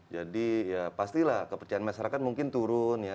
jadi ya pastilah kepercayaan masyarakat mungkin turun ya